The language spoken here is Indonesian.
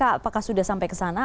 apakah sudah sampai ke sana